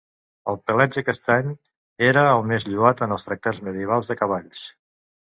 El pelatge castany era el més lloat en els tractats medievals de cavalls.